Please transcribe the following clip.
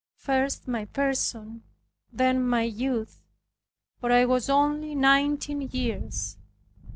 First, my person, then my youth, for I was only nineteen years.